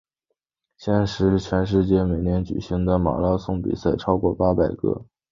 现时全世界每年举行的马拉松比赛超过八百个。